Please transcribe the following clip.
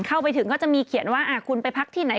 เข้าไปถึงก็จะมีเขียนว่าคุณไปพักที่ไหน